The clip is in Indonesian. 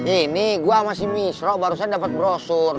ini gue sama sih misro barusan dapet brosur